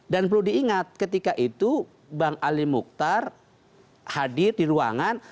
dan perlu diingat ketika itu bang ali mukhtar hadir di ruangan